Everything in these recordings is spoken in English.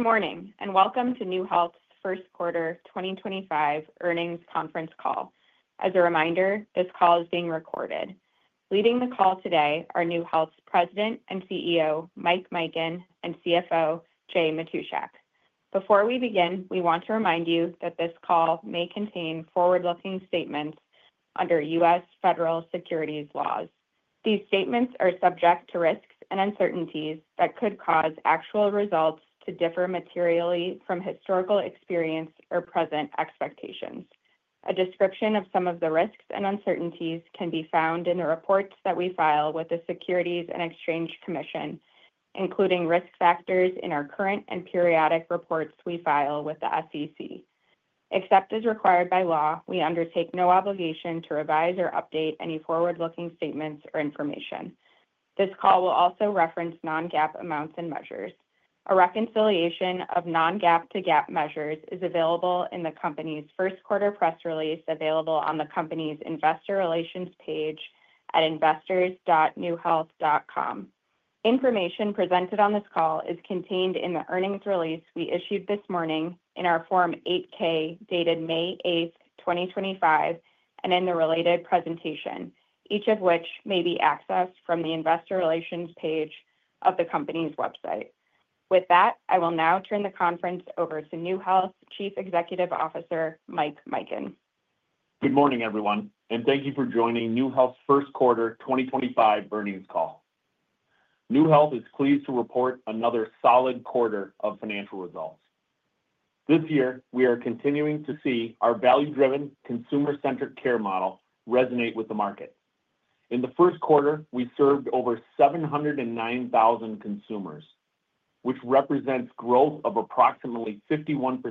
Good morning and welcome to NeueHealth's first quarter 2025 earnings conference call. As a reminder, this call is being recorded. Leading the call today are NeueHealth's President and CEO, Mike Mikan, and CFO, Jay Matushak. Before we begin, we want to remind you that this call may contain forward-looking statements under U.S. federal securities laws. These statements are subject to risks and uncertainties that could cause actual results to differ materially from historical experience or present expectations. A description of some of the risks and uncertainties can be found in the reports that we file with the Securities and Exchange Commission, including risk factors in our current and periodic reports we file with the SEC. Except as required by law, we undertake no obligation to revise or update any forward-looking statements or information. This call will also reference non-GAAP amounts and measures. A reconciliation of non-GAAP to GAAP measures is available in the company's first quarter press release available on the company's investor relations page at investors.neuehealth.com. Information presented on this call is contained in the earnings release we issued this morning in our Form 8K dated May 8th, 2025, and in the related presentation, each of which may be accessed from the investor relations page of the company's website. With that, I will now turn the conference over to NeueHealth Chief Executive Officer, Mike Mikan. Good morning, everyone, and thank you for joining NeueHealth's first quarter 2025 earnings call. NeueHealth is pleased to report another solid quarter of financial results. This year, we are continuing to see our value-driven, consumer-centric care model resonate with the market. In the first quarter, we served over 709,000 consumers, which represents growth of approximately 51%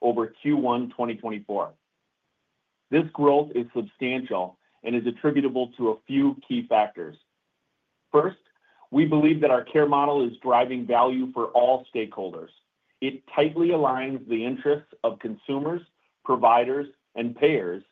over Q1 2024. This growth is substantial and is attributable to a few key factors. First, we believe that our care model is driving value for all stakeholders. It tightly aligns the interests of consumers, providers, and payers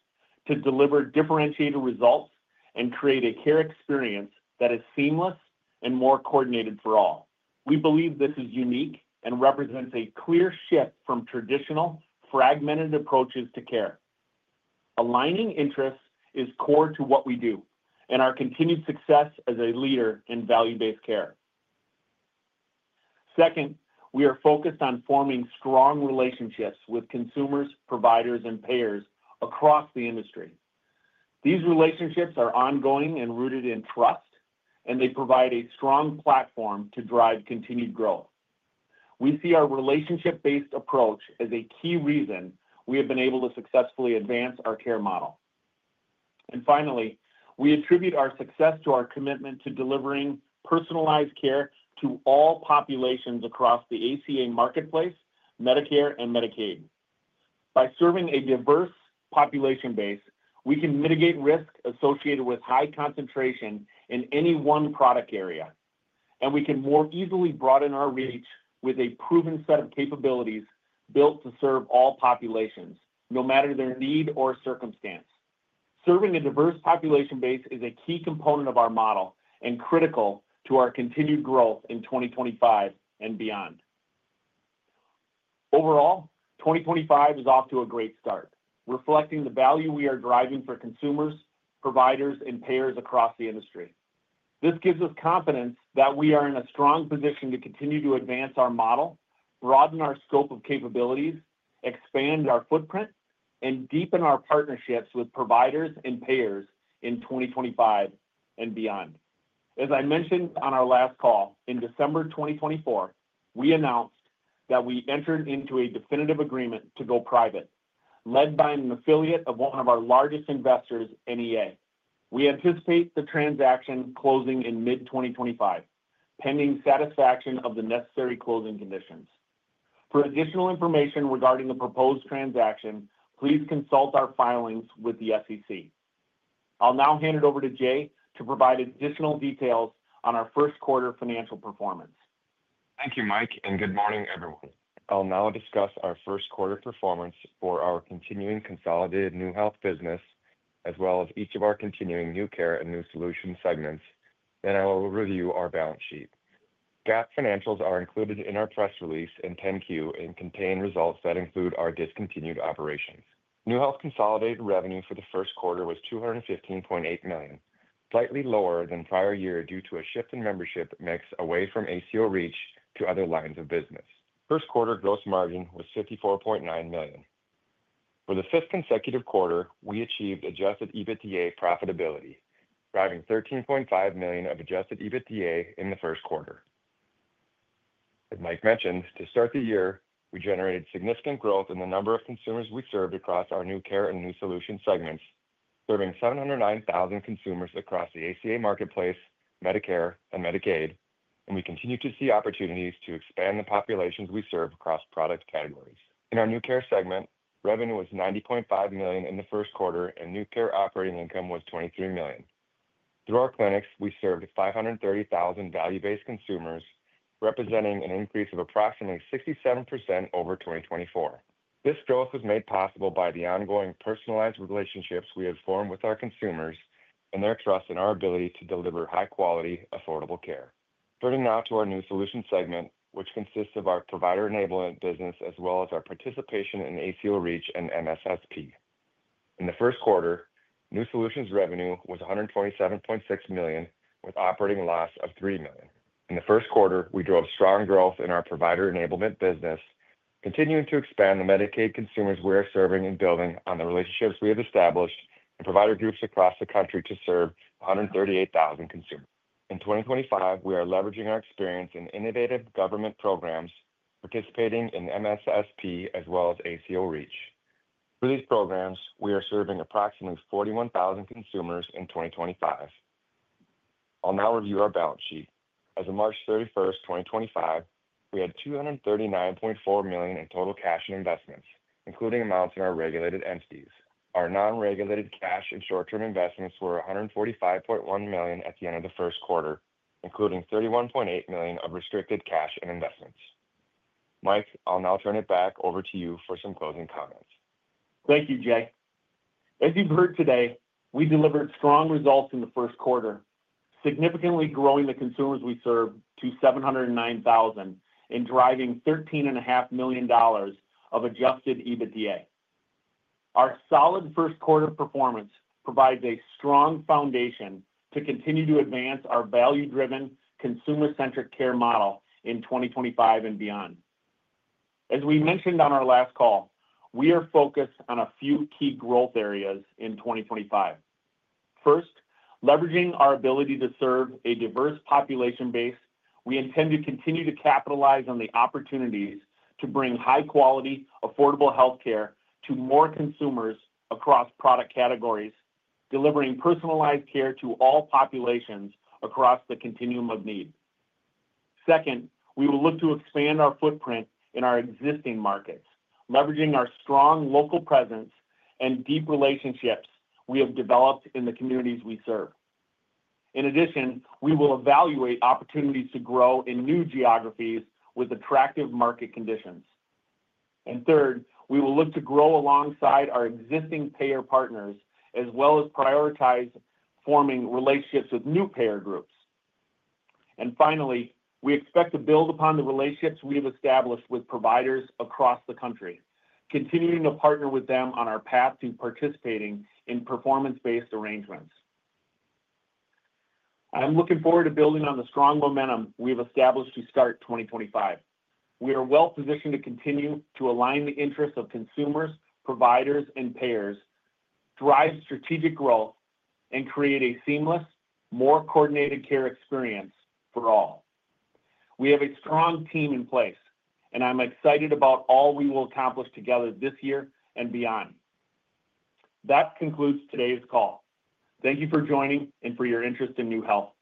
to deliver differentiated results and create a care experience that is seamless and more coordinated for all. We believe this is unique and represents a clear shift from traditional, fragmented approaches to care. Aligning interests is core to what we do and our continued success as a leader in value-based care. Second, we are focused on forming strong relationships with consumers, providers, and payers across the industry. These relationships are ongoing and rooted in trust, and they provide a strong platform to drive continued growth. We see our relationship-based approach as a key reason we have been able to successfully advance our care model. Finally, we attribute our success to our commitment to delivering personalized care to all populations across the ACA marketplace, Medicare, and Medicaid. By serving a diverse population base, we can mitigate risk associated with high concentration in any one product area, and we can more easily broaden our reach with a proven set of capabilities built to serve all populations, no matter their need or circumstance. Serving a diverse population base is a key component of our model and critical to our continued growth in 2025 and beyond. Overall, 2025 is off to a great start, reflecting the value we are driving for consumers, providers, and payers across the industry. This gives us confidence that we are in a strong position to continue to advance our model, broaden our scope of capabilities, expand our footprint, and deepen our partnerships with providers and payers in 2025 and beyond. As I mentioned on our last call, in December 2024, we announced that we entered into a definitive agreement to go private, led by an affiliate of one of our largest investors, NEA. We anticipate the transaction closing in mid-2025, pending satisfaction of the necessary closing conditions. For additional information regarding the proposed transaction, please consult our filings with the SEC. I'll now hand it over to Jay to provide additional details on our first quarter financial performance. Thank you, Mike, and good morning, everyone. I'll now discuss our first quarter performance for our continuing consolidated NeueHealth business, as well as each of our continuing NeueCare and NeueSolutions segments, and I will review our balance sheet. GAAP financials are included in our press release and 10Q and contain results that include our discontinued operations. NeueHealth consolidated revenue for the first quarter was $215.8 million, slightly lower than prior year due to a shift in membership mix away from ACO REACH to other lines of business. First quarter gross margin was $54.9 million. For the fifth consecutive quarter, we achieved adjusted EBITDA profitability, driving $13.5 million of adjusted EBITDA in the first quarter. As Mike mentioned, to start the year, we generated significant growth in the number of consumers we served across our NeueCare and NeueSolutions segments, serving 709,000 consumers across the ACA marketplace, Medicare, and Medicaid, and we continue to see opportunities to expand the populations we serve across product categories. In our NeueCare segment, revenue was $90.5 million in the first quarter, and NeueCare operating income was $23 million. Through our clinics, we served 530,000 value-based consumers, representing an increase of approximately 67% over 2024. This growth was made possible by the ongoing personalized relationships we have formed with our consumers and their trust in our ability to deliver high-quality, affordable care. Turning now to our NeueSolutions segment, which consists of our provider enablement business as well as our participation in ACO REACH and MSSP. In the first quarter, NeueSolutions revenue was $127.6 million, with operating loss of $3 million. In the first quarter, we drove strong growth in our provider enablement business, continuing to expand the Medicaid consumers we are serving and building on the relationships we have established and provider groups across the country to serve 138,000 consumers. In 2025, we are leveraging our experience in innovative government programs, participating in MSSP as well as ACO REACH. Through these programs, we are serving approximately 41,000 consumers in 2025. I'll now review our balance sheet. As of March 31, 2025, we had $239.4 million in total cash and investments, including amounts in our regulated entities. Our non-regulated cash and short-term investments were $145.1 million at the end of the first quarter, including $31.8 million of restricted cash and investments. Mike, I'll now turn it back over to you for some closing comments. Thank you, Jay. As you've heard today, we delivered strong results in the first quarter, significantly growing the consumers we serve to 709,000 and driving $13.5 million of adjusted EBITDA. Our solid first quarter performance provides a strong foundation to continue to advance our value-driven, consumer-centric care model in 2025 and beyond. As we mentioned on our last call, we are focused on a few key growth areas in 2025. First, leveraging our ability to serve a diverse population base, we intend to continue to capitalize on the opportunities to bring high-quality, affordable healthcare to more consumers across product categories, delivering personalized care to all populations across the continuum of need. Second, we will look to expand our footprint in our existing markets, leveraging our strong local presence and deep relationships we have developed in the communities we serve. In addition, we will evaluate opportunities to grow in new geographies with attractive market conditions. Third, we will look to grow alongside our existing payer partners as well as prioritize forming relationships with new payer groups. Finally, we expect to build upon the relationships we have established with providers across the country, continuing to partner with them on our path to participating in performance-based arrangements. I'm looking forward to building on the strong momentum we have established to start 2025. We are well positioned to continue to align the interests of consumers, providers, and payers, drive strategic growth, and create a seamless, more coordinated care experience for all. We have a strong team in place, and I'm excited about all we will accomplish together this year and beyond. That concludes today's call. Thank you for joining and for your interest in NeueHealth.